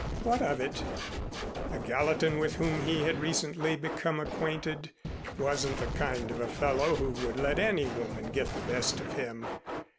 What of it? The Gallatin with whom he had recently become acquainted wasn't the kind of a fellow who would let any woman get the best of him.